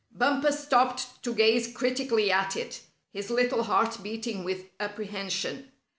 Bumper stopped to gaze critically at it, his little heart beating with apprehension.